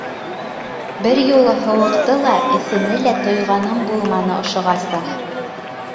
Бер юлы һыуыҡты ла, эҫене лә тойғаным булманы ошоғаса.